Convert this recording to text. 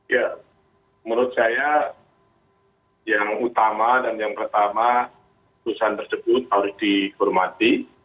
ya menurut saya yang utama dan yang pertama putusan tersebut harus dihormati